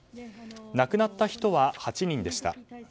亡くなった人は８人でした。